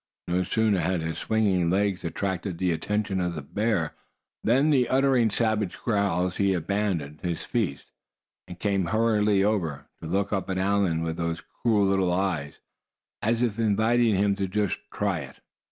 No sooner had his swinging legs attracted the attention of the bear, than uttering savage growls he abandoned his feast, and came hurriedly over, to look up at Allan with those cruel little eyes, as if inviting him to just try it.